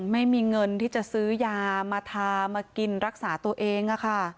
ไม่มีเงินที่จะซื้อยามาทามากินรักษาตัวเอง